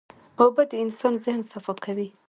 اوبه د انسان ذهن صفا کوي.